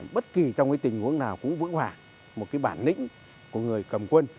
bất kỳ trong tình huống nào cũng vững hoảng một bản lĩnh của người cầm quân